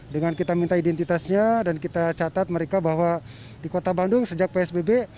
dengan kita minta identitasnya dan kita catat mereka bahwa di kota bandung sejak psbb